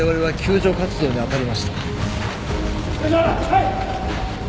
はい！